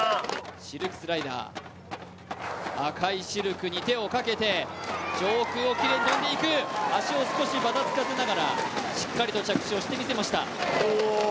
シルクスライダー、赤いシルクに手をかけて上空をきれいに飛んでいく、足を少しばたつかせながら、しっかりと着地をしていきました。